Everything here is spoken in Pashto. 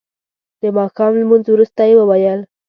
د ماښام لمونځ وروسته یې وویل.